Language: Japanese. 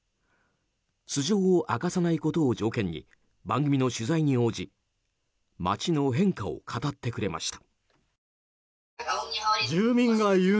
素性を明かさないことを条件に番組の取材に応じ街の変化を語ってくれました。